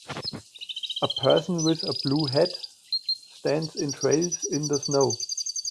A person with a blue hat stands in trails in the snow.